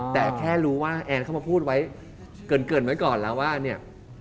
แต่แค่รู้ว่าแอนเข้ามาพูดไว้เกินไว้ก่อนแล้วว่าเนี่ย